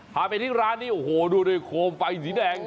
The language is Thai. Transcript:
พาไปที่ร้านนี้โอ้โหดูด้วยโคมไฟสีแดง